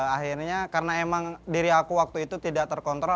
akhirnya karena emang diri aku waktu itu tidak terkontrol